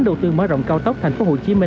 đầu tư năm hai nghìn ba mươi